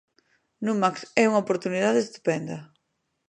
Numax é unha oportunidade estupenda.